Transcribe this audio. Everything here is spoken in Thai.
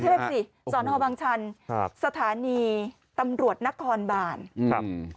กรุงเทพฯสนบังชันสถานีตำรวจนครบาน